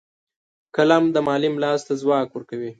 قلم د معلم لاس ته ځواک ورکوي